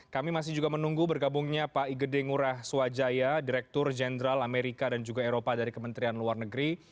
kami masih juga menunggu bergabungnya pak igede ngurah swajaya direktur jenderal amerika dan juga eropa dari kementerian luar negeri